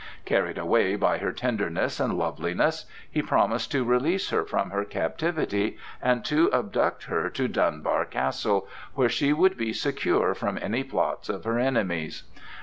Carried away by her tenderness and loveliness, he promised to release her from her captivity and to abduct her to Dunbar castle, where she would be secure from any plots of her enemies.